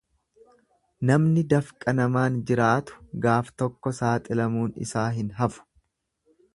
Namni dafqa namaan jiraatu gaaf tokko saaxilamuun isaa hin hafu.